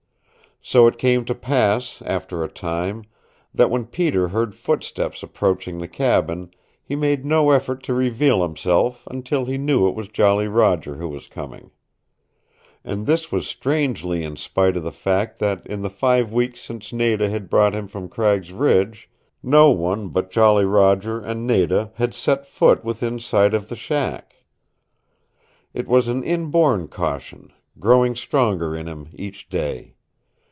So it came to pass, after a time, that when Peter heard footsteps approaching the cabin he made no effort to reveal himself until he knew it was Jolly Roger who was coming. And this was strangely in spite of the fact that in the five weeks since Nada had brought him from Cragg's Ridge no one but Jolly Roger and Nada had set foot within sight of the shack. It was an inborn caution, growing stronger in him each day.